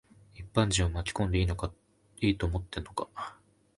一般人を巻き込んでいいと思ってんのか。